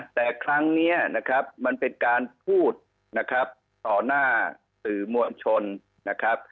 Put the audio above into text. แต่ครั้งนี้นะครับมันเป็นการพูดนะครับต่อหน้าสื่อมวลชนนะครับ